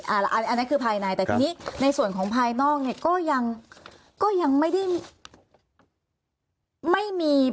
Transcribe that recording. อันนี้คือภายในแต่ทีนี้ในส่วนของภายนอกเนี่ยก็ยังไม่ได้